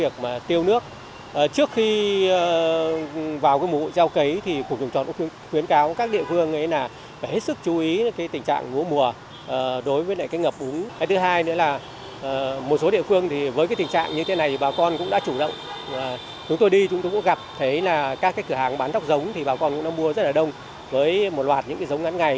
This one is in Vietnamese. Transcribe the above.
các cửa hàng bán tóc giống thì bà con cũng mua rất là đông với một loạt giống ngắn ngày